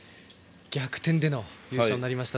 逆転での優勝になりました。